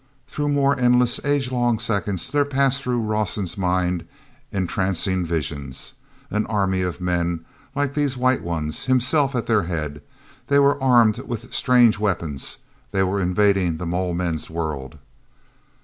Through more endless, age long seconds there passed through Rawson's mind entrancing visions. An army of men like these White Ones, himself at their head. They were armed with strange weapons; they were invading the mole men's world....